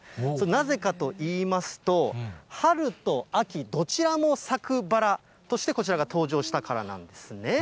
なぜかといいますと、春と秋、どちらも咲くバラとして、こちらが登場したからなんですね。